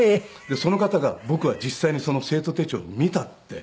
その方が「僕は実際にその生徒手帳を見た」って。